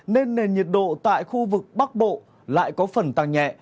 nên nền nhiệt độ tại khu vực bắc bộ lại có phần tăng nhẹ